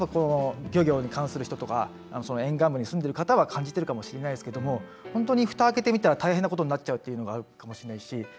漁業に関する人とか沿岸部に住んでる方は感じてるかもしれないですけど本当にふた開けてみたら大変なことになっちゃうというのがあるかもしれないし。